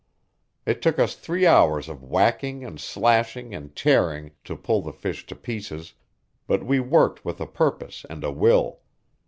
It took us three hours of whacking and slashing and tearing to pull the fish to pieces, but we worked with a purpose and a will.